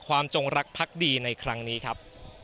ความจงรักพรรคดีในครั้งนี้ครับ